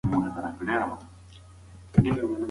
پاڼې په ورو غږ خپله دفاع وکړه.